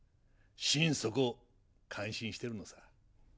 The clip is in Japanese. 心底感心してるのさ。